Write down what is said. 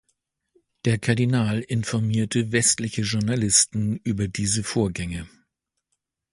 Der Kardinal informierte westliche Journalisten über diese Vorgänge.